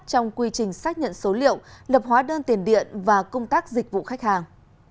trong quy trình xác nhận số liệu lập hóa đơn tiền điện và công tác dịch vụ khách hàng